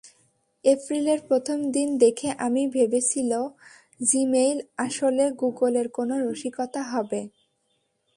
এপ্রিলের প্রথম দিন দেখে আমি ভেবেছিল জিমেইল আসলে গুগলের কোনো রসিকতা হবে।